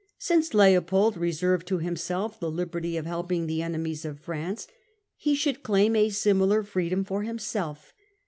Since Leopold reserved 107 r ' to himself the liberty of helping the enemies of France, he should claim a similar freedom for himself.